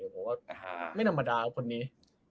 เพราะว่าไม่ธรรมดาคนนี้